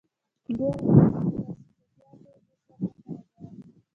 _ګوره بچو، په داسې چټياټو دې سر مه خرابوه.